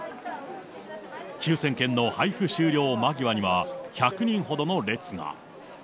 抽せん券の配布終了間際には、１００人ほどの列が。